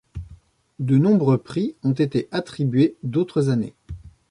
De nombreux prix ont été attribués d'autres années.